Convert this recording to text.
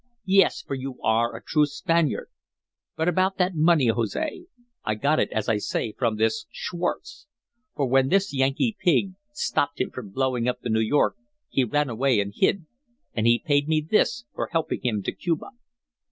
"Yes! For you are a true Spaniard. But about that money, Jose. I got it as I say, from this Schwartz. For when this Yankee pig stopped him from blowing up the New York he ran away and hid. And he paid me this for helping him to Cuba."